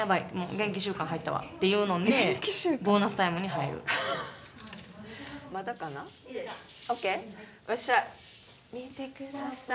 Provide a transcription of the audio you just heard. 元気週間入ったわっていうのでボーナスタイムに入るまだかなＯＫ？よっしゃ見てください